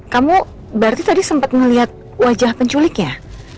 kamu berarti tadi sempat ngeliat wajah penculiknya